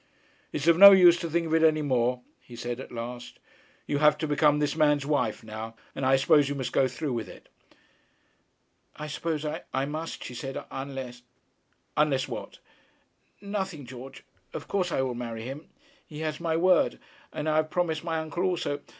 'It is of no use to think of it any more,' he said at last. 'You have to become this man's wife now, and I suppose you must go through with it.' 'I suppose I must,' she said; 'unless ' 'Unless what?' 'Nothing, George. Of course I will marry him. He has my word. And I have promised my uncle also.